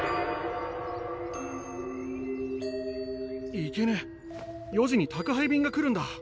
いけね４時に宅配便が来るんだ！